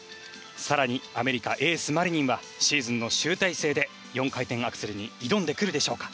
更にアメリカ、エースのマリニンはシーズンの集大成で４回転アクセルに挑んでくるでしょうか。